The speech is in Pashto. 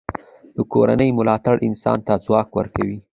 د کورنۍ ملاتړ انسان ته ځواک ورکوي.